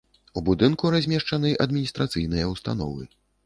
У будынку размешчаны адміністрацыйныя ўстановы.